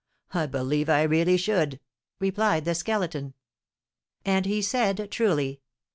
_ I believe I really should!" replied the Skeleton. And he said truly.